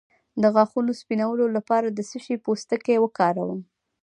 د غاښونو سپینولو لپاره د څه شي پوستکی وکاروم؟